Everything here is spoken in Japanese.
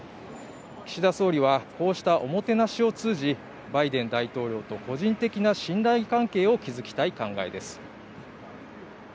岸田総理はこうしたおもてなしを通じバイデン大統領と個人的な信頼関係を築きたい考えです。